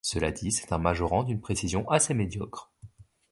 Cela dit, c'est un majorant d'une précision assez médiocre.